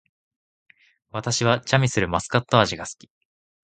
私はチャミスルマスカット味が好き